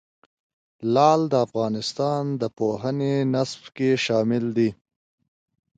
لعل د افغانستان د پوهنې نصاب کې شامل دي.